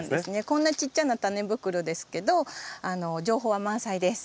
こんなちっちゃなタネ袋ですけど情報は満載です。